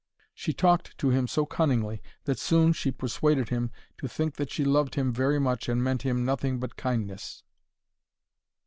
She talked to him so cunningly that soon she persuaded him to think that she loved him very much and meant him nothing but kindness.